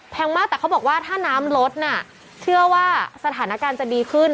มากแต่เขาบอกว่าถ้าน้ำลดน่ะเชื่อว่าสถานการณ์จะดีขึ้น